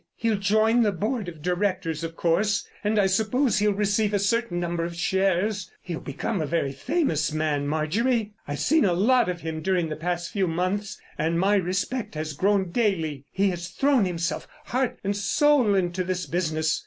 "He'll join the board of directors, of course, and I suppose he'll receive a certain number of shares. He'll become a very famous man, Marjorie. I've seen a lot of him during the past few months, and my respect has grown daily. He has thrown himself heart and soul into this business.